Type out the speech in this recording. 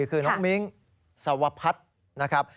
คือน้องมิ้งสวพัฒน์นะครับ